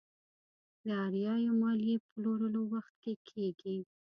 داراییو ماليې پلورلو وخت کې کېږي.